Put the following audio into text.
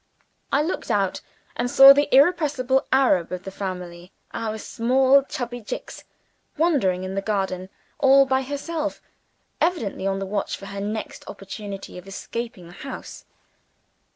I looked out, and saw the irrepressible Arab of the family, our small chubby Jicks, wandering in the garden, all by herself; evidently on the watch for her next opportunity of escaping from the house.